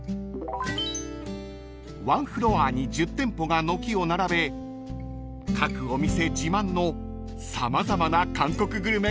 ［ワンフロアに１０店舗が軒を並べ各お店自慢の様々な韓国グルメが楽しめます］